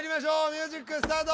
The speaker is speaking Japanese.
ミュージックスタート！